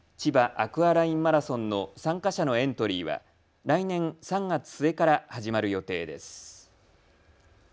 アクアラインマラソンの参加者のエントリーは来年３月末から始まる予定です。